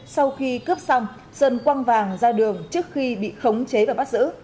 sau khi cướp xong sơn quang vàng ra đường trước khi bị khống chế và bắt giữ